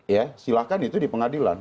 ya silahkan itu di pengadilan